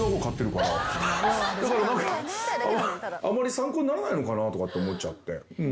だから何かあまり参考にならないのかなって思っちゃって。